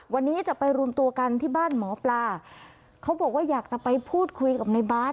วันนี้จะไปรวมตัวกันที่บ้านหมอปลาเขาบอกว่าอยากจะไปพูดคุยกับในบาร์ด